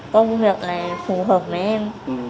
công việc này phù hợp với em